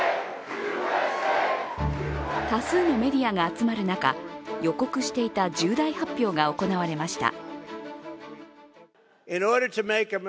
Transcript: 多数のメディアが集まる中、予告していた重大発表が行われました。